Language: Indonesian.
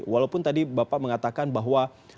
walaupun tadi bapak mengatakan bahwa